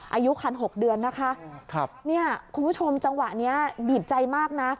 อายุคัน๖เดือนนะคะคุณผู้ชมจังหวะนี้บีบใจมากนะ